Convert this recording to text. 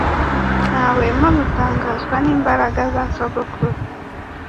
Ntahwema gutangazwa n'imbaraga za sogokuru.